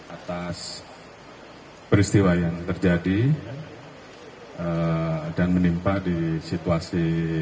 atas peristiwa yang terjadi dan menimpa di situasi